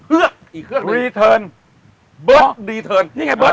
และอีกเครื่องเลย